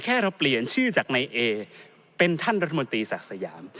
เราเปลี่ยนชื่อจากนายเอเป็นท่านรัฐมนตรีศักดิ์สยาม